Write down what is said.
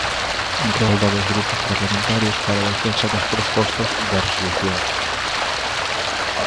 Rolda dos grupos parlamentarios para a defensa das propostas de resolución.